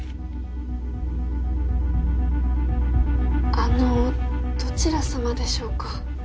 あのどちらさまでしょうか？